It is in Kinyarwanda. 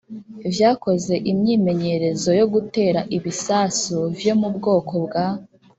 vyakoze imyimenyerezo yo gutera ibisasu vyo mu bwoko bwa